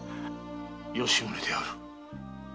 吉宗である。